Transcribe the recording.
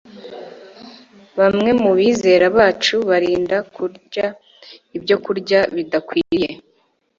bamwe mu bizera bacu birinda kurya ibyokurya bidakwiriye